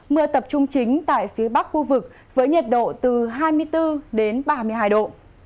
mưa tập trung chính tại phía bắc khu vực với nhiệt độ từ hai mươi bốn đến ba mươi hai độ